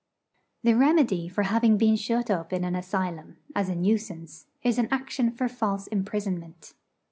The remedy for having been shut up in an asylum, as a nuisance, is an action for false imprisonment.